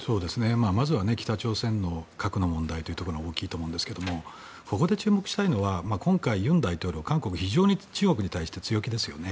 まずは北朝鮮の核の問題というところが大きいと思うんですけどもここで注目したいのは今回、尹大統領、韓国は非常に中国に対して強気ですよね。